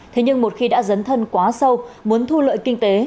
thế nhưng một khi đã dấn thân quá sâu muốn thu lợi kinh tế